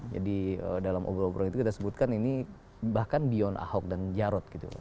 jadi dalam obrol obrol itu kita sebutkan ini bahkan beyond ahok dan jarod gitu